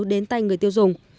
đến tay người tiêu dùng